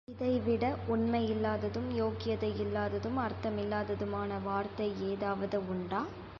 இதைவிட உண்மையில்லாததும், யோக்கியதை இல்லாததும், அர்த்தமில்லாததுமான வார்த்தை ஏதாவது உண்டா?